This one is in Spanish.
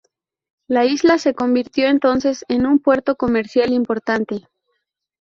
La isla se convirtió entonces en un puerto comercial importante.